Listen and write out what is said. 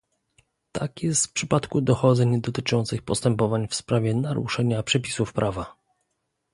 Tak jest w przypadku dochodzeń dotyczących postępowań w sprawie naruszenia przepisów prawa